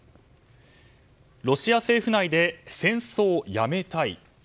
ロシア政府内で、戦争やめたい。